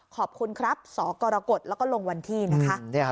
ขอบคุณครับสกรกฎแล้วก็ลงวันที่นะคะ